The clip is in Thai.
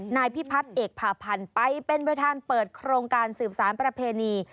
นายพิพัฒน์เอกผ่าพันธ์ไปเป็นประธานเปิดโครงการสืบสารประเพณี